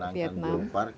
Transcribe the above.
kenapa kita menemukan geopark